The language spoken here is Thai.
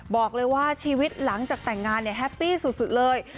บอกเลยว่าชีวิตหลังจากแต่งงานเนี่ยแฮปปี้สุดเลย